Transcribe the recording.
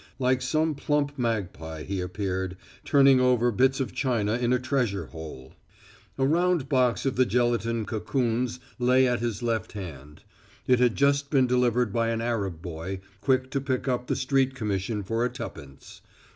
Like some plump magpie he appeared, turning over bits of china in a treasure hole. A round box of the gelatine cocoons lay at his left hand; it had just been delivered by an Arab boy, quick to pick up the street commission for a tuppence.